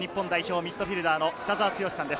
ミッドフィルダーの北澤豪さんです。